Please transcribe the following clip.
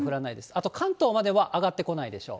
あと関東までは上がってこないでしょう。